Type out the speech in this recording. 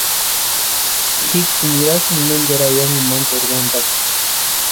Jíksïni nirasïnka ménteru ayankuni máteru wantakwa.